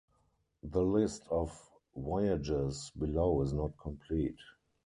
The list of voyages below is not complete.